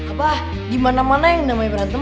apa dimana mana yang namanya berantem